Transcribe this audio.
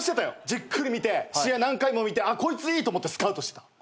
じっくり見て試合何回も見てこいついいと思ってスカウトしてた。